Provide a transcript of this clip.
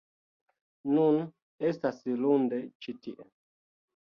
Nun estas lunde ĉi tie